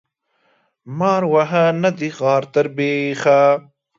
مار وهه ، نه د غار تر بيخه.